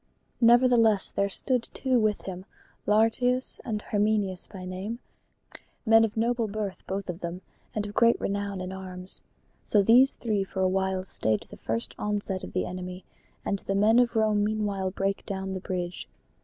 Nevertheless there stood two with him, Lartius and Herminius by name, men of noble birth both of them and of great renown in arms. So these three for a while stayed the first onset of the enemy; and the men of Rome meanwhile brake down the bridge.